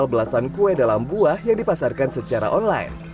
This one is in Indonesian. ada belasan kue dalam buah yang dipasarkan secara online